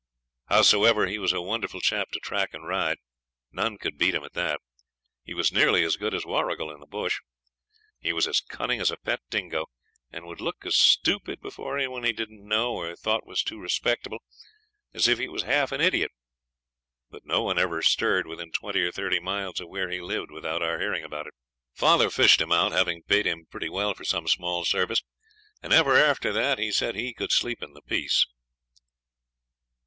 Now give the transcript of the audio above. Howsoever, he was a wonderful chap to track and ride; none could beat him at that; he was nearly as good as Warrigal in the bush. He was as cunning as a pet dingo, and would look as stupid before any one he didn't know, or thought was too respectable, as if he was half an idiot. But no one ever stirred within twenty or thirty miles of where he lived without our hearing about it. Father fished him out, having paid him pretty well for some small service, and ever after that he said he could sleep in peace.